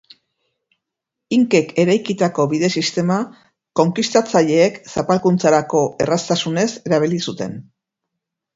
Inkek eraikitako bide sistema konkistatzaileek zapalkuntzarako erraztasunez erabili zuten.